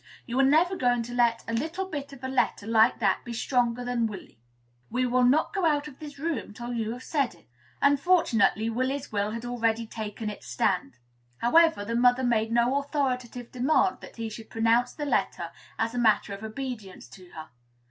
You are never going to let a little bit of a letter like that be stronger than Willy. We will not go out of this room till you have said it." Unfortunately, Willy's will had already taken its stand. However, the mother made no authoritative demand that he should pronounce the letter as a matter of obedience to her.